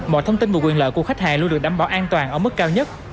mọi thông tin và quyền lợi của khách hàng luôn được đảm bảo an toàn ở mức cao nhất